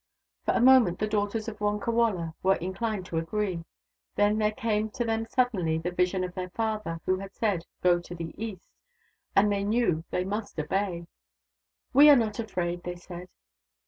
For a moment the daughters of Wonkawala were inclined to agree. Then there came to them sud denly the vision of their father, who had said, " Go to the east," and they knew they must obey. " We are not afraid," they said.